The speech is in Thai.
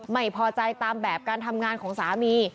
ไม่พอใจตามแบบการทำงานของสามี